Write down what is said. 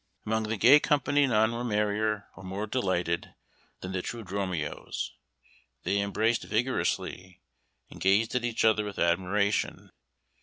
] Among the gay company none were merrier or more delighted than the two Dromios. They embraced vigorously, and gazed at each other with admiration.